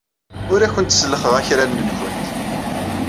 Ur awent-sellxeɣ akraren-nwent.